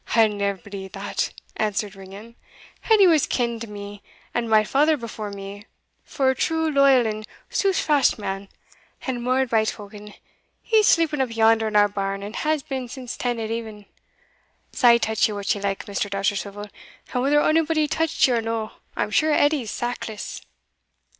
"I'll neer believe that," answered Ringan; "Edie was ken'd to me, and my father before me, for a true, loyal, and sooth fast man; and, mair by token, he's sleeping up yonder in our barn, and has been since ten at e'en Sae touch ye wha liket, Mr. Dousterswivel, and whether onybody touched ye or no, I'm sure Edie's sackless."